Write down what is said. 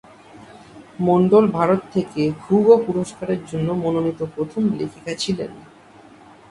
মন্ডল ভারত থেকে হুগো পুরস্কারের জন্য মনোনীত প্রথম লেখিকা ছিলেন।